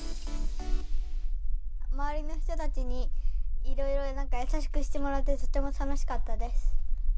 周りの人たちに、いろいろなんか優しくしてもらって、とても楽しかったです。